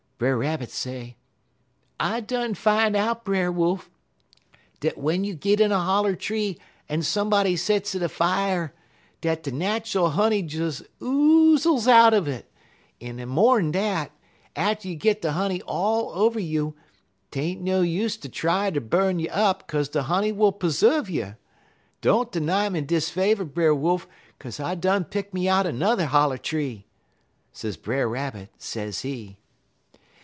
Brer Rabbit say: "I done fin' out, Brer Wolf, dat w'en you git in a holler tree en somebody sets it a fier, dat de nat'al honey des oozles out uv it, en mor'n dat, atter you git de honey all over you, 't ain't no use ter try ter burn you up, 'kaze de honey will puzzuv you. Don't 'ny me dis favor, Brer Wolf, 'kaze I done pick me out a n'er holler tree,' sez Brer Rabbit, sezee.